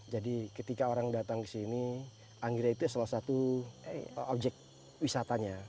jadi ketika orang datang ke sini anggira itu salah satu objek wisatanya